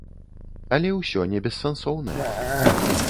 Але ўсё не бессэнсоўнае.